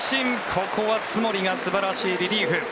ここは津森が素晴らしいリリーフ。